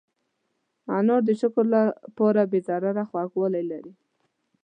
انار د شکر لپاره بې ضرره خوږوالی لري.